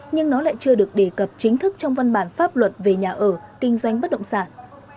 nhưng nó lại chưa được đề cập chính thức trong văn bản pháp luật về nhà ở kinh doanh bất động sản